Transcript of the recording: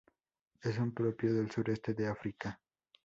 Es un propio del sureste de África.